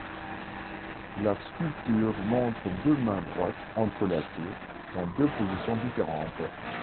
La sculpture montre deux mains droites entrelacées dans deux positions différentes.